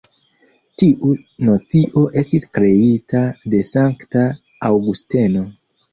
Tiu nocio estis kreita de sankta Aŭgusteno.